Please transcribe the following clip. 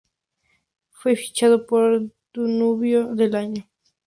Fue fichado por Danubio al año siguiente.